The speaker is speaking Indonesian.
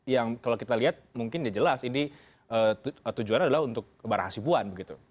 yang kalau kita lihat mungkin jelas ini tujuan adalah untuk kebarahan si puan begitu